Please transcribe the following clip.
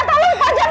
pak tolong jangan pak